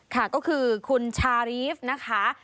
ค่ะก็คือคุณชารีฟนะคะ